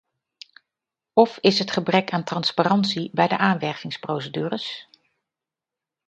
Of is het gebrek aan transparantie bij de aanwervingsprocedures?